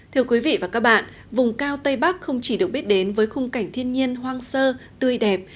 thưa quý vị và các bạn vùng cao tây bắc không chỉ được biết đến với khung cảnh thiên nhiên hoang sơ tươi đẹp